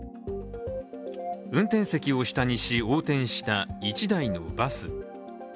運転席を下にし、横転した１台のバス。